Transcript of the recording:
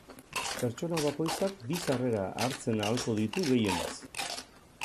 Pertsona bakoitzak bi sarrera hartzen ahalko ditu gehienez.